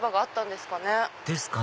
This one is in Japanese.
ですかね